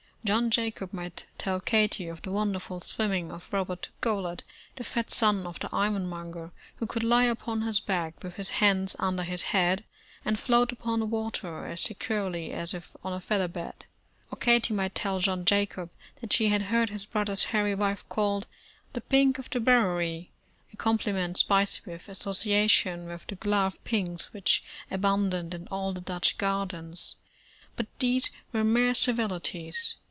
John Jacob might tell Katie of the wonderful swimming of Robert Goelet, the fat son of the iron monger, who could lie upon his back, with his hands under his head, and float upon the waters as securely as if on a feather bed; or Katie might tell John Jacob that she had heard his brother Harry's wife called "de pink of de Bowery," a complimen' spicy with association with the clove pinks which abounded in all the Dutch gardens — but tliese were mere civilities.